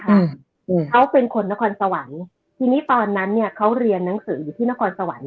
คือเรื่องนี้มันเกิดมาประสบการณ์ของรุ่นนี้มีคนที่เล่าให้พี่ฟังคือชื่อน้องปลานะคะ